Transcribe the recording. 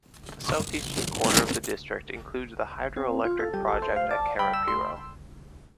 The southeastern corner of the district includes the hydroelectric project at Karapiro.